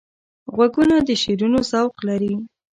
غوږونه د شعرونو ذوق لري